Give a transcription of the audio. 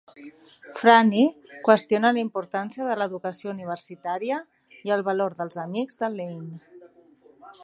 Franny qüestiona la importància de l'educació universitària i el valor dels amics de Lane.